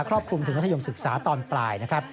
รอบคลุมถึงมัธยมศึกษาตอนปลายนะครับ